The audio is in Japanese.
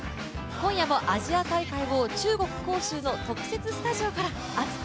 今夜もアジア大会を中国・杭州の特別スタジオから熱く！